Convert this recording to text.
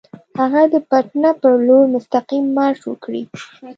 هغه د پټنه پر لور مستقیم مارش وکړي.